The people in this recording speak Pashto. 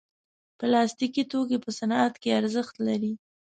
پلاستيکي توکي په صنعت کې ارزښت لري.